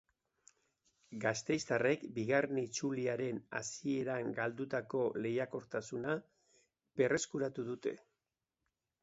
Gasteiztarrek bigarren itzuliaren hasieran galdutako lehiakortasuna berreskuratu dute.